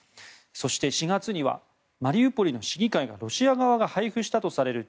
そして４月にはマリウポリの市議会もロシア側が配布されたとされる